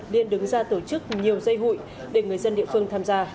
liên đứng ra tổ chức nhiều dây hụi để người dân địa phương tham gia